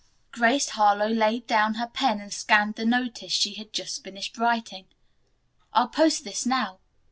Grace Harlowe laid down her pen and scanned the notice she had just finished writing. "I'll post this now.